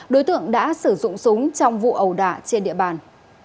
đối tượng đã sử dụng súng trong vụ ẩu đả trên địa bàn